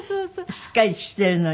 しっかりしているのに。